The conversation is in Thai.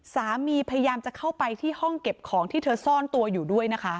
พยายามจะเข้าไปที่ห้องเก็บของที่เธอซ่อนตัวอยู่ด้วยนะคะ